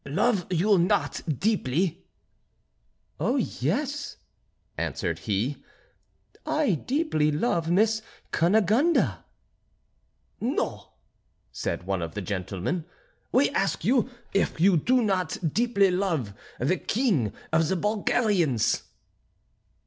"Love you not deeply?" "Oh yes," answered he; "I deeply love Miss Cunegonde." "No," said one of the gentlemen, "we ask you if you do not deeply love the King of the Bulgarians?"